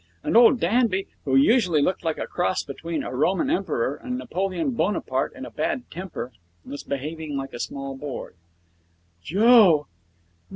And old Danby, who usually looked like a cross between a Roman emperor and Napoleon Bonaparte in a bad temper, was behaving like a small boy. 'Joe!'